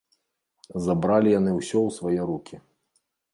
Забралі яны ўсё ў свае рукі.